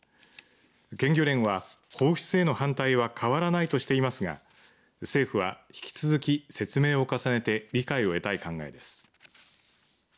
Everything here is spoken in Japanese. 県漁連は放出への反対は変わらないとしていますが政府は引き続き説明を重ねて理解を得たい考えです。